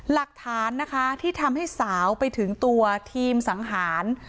หลักฐานนะคะที่ทำให้สาวไปถึงตัวทีมสังหาร